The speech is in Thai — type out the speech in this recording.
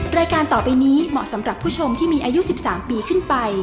รายการต่อไปนี้เหมาะสำหรับผู้ชมที่มีอายุ๑๓ปีขึ้นไป